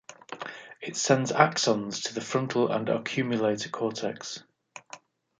It sends axons to the frontal and oculomotor cortex.